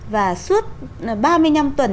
và suốt ba mươi năm tuần